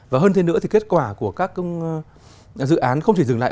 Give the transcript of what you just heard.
và hơn thế nữa thì kết quả của các dự án không chỉ dừng lại